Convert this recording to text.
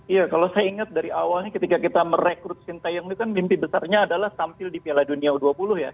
iya kalau saya ingat dari awalnya ketika kita merekrut sintayong itu kan mimpi besarnya adalah tampil di piala dunia u dua puluh ya